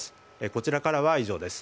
こちらからは、以上です。